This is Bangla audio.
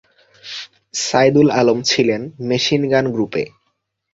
সাইদুল আলম ছিলেন মেশিনগান গ্রুপে।